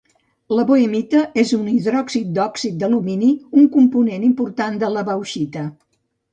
La boehmita és un hidròxid d'òxid d'alumini, un component important de la bauxita.